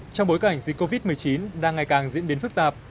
trong bối cảnh dịch covid một mươi chín đang ngày càng diễn biến phức tạp